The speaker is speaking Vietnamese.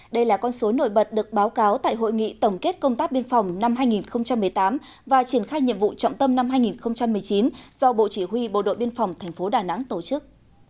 đây là con số nổi bật được báo cáo tại hội nghị tổng kết công tác biên phòng năm hai nghìn một mươi tám và triển khai nhiệm vụ trọng tâm năm hai nghìn một mươi chín do bộ chỉ huy bộ đội biên phòng tp đà nẵng tổ chức